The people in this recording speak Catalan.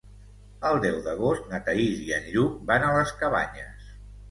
El deu d'agost na Thaís i en Lluc van a les Cabanyes.